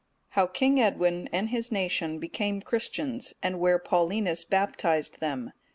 How King Edwin and his nation became Christians; and where Paulinus baptized them.